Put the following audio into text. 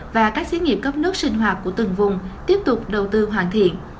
và các xí nghiệp cấp nước sinh hoạt của từng vùng tiếp tục đầu tư hoàn thiện